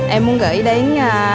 em muốn gửi đến